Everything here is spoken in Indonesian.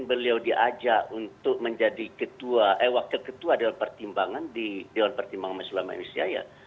beliau diajak untuk menjadi ketua eh wakil ketua dewan pertimbangan di dewan pertimbangan majelis ulama indonesia ya